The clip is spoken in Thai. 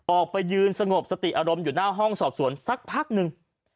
ออกไปยืนสงบสติอารมณ์อยู่หน้าห้องสอบสวนสักพักหนึ่ง